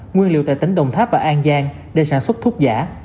nguyên liệu tại tỉnh đồng tháp và an giang để sản xuất thuốc giả